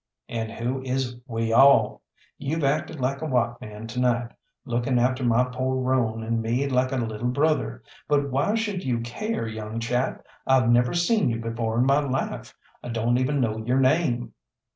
"And who is we all? You've acted like a white man to night, looking after my poor roan and me like a little brother. But why should you care, young chap? I've never seen you before in my life; I don't even know your name."